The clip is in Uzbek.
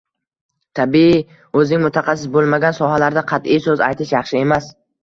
Tabiiy, o'zing mutaxassis bo'lmagan sohalarda qat'iy so'z aytish yaxshi emas.